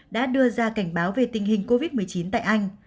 đã đưa ra cảnh báo về tình hình covid một mươi chín tại anh